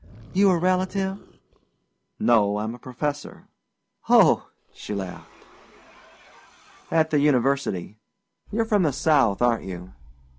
"You a relative?" "No, I'm a professor." "Oh," she laughed. "At the university. You're from the South, aren't you?"